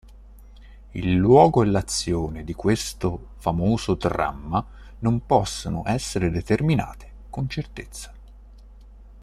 Il luogo e l'azione di questo famoso dramma non possono essere determinate con certezza.